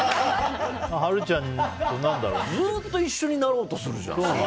波瑠ちゃんと何だろうずっと一緒になろうとするじゃん。